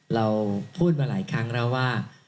เราพูดมาหลายครั้งแล้วว่า